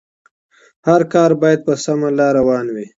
هر کار بايد په سمه لاره روان وي.